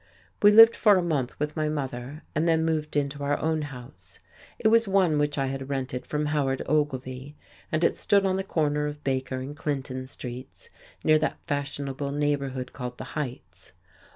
We lived for a month with my mother, and then moved into our own house. It was one which I had rented from Howard Ogilvy, and it stood on the corner of Baker and Clinton streets, near that fashionable neighbourhood called "the Heights."